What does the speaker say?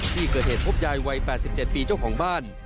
ที่เกิดเหตุพบยายวัย๘๗ปีเจ้าของบ้าน